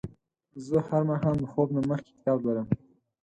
زه هر ماښام د خوب نه مخکې کتاب لولم.